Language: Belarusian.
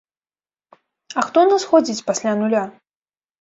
А хто ў нас ходзіць пасля нуля?